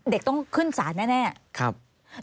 เด็กต้องขึ้นศาลแน่ครับครับ